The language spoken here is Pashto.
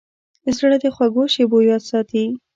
زړه د خوږو شیبو یاد ساتي.